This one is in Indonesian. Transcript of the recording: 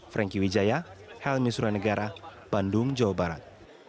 franky wijaya helmi suranegara bandung jawa barat